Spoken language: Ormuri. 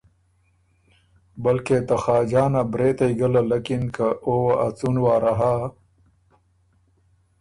بلکې ته خاجان ا برېتئ ګه للکِن که او وه ا څُون واره هۀ